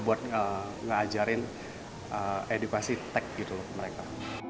buat ngajarin edukasi tech gitu loh mereka